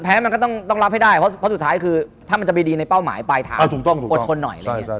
แพ้มันก็ต้องรับให้ได้เพราะสุดท้ายถ้ามันจะไปดีในเป้าหมายปลายถามอดทนหน่อย